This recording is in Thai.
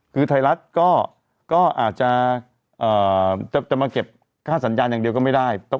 คือไทยรัฐก็อาจจะมาเก็บค่าสัญญาณอย่างเดียวก็ไม่ได้